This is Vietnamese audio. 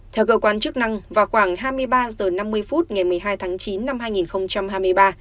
theo cơ quan chức năng vào khoảng hai mươi ba h năm mươi phút ngày một mươi hai tháng chín năm hai nghìn hai mươi ba